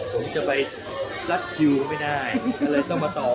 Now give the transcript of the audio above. ผมจะไปรัดคิวไม่ได้